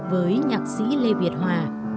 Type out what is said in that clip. với nhạc sĩ lê việt hòa